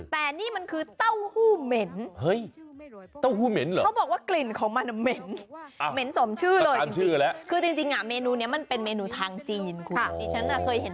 แต่นี่มันคือเต้าหู้เหม็นเหรอ